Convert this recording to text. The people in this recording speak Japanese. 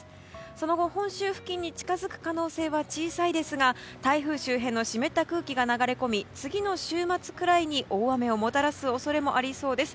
その後、本州付近に近づく可能性は小さいですが台風周辺の湿った空気が流れ込み次の週末ぐらいに大雨をもたらす恐れもありそうです。